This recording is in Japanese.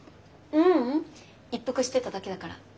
ううん一服してただけだから。